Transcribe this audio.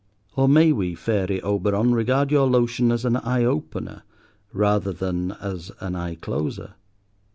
Or may we, fairy Oberon, regard your lotion as an eye opener, rather than as an eye closer?